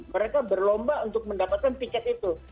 mereka berlomba untuk mendapatkan tiket itu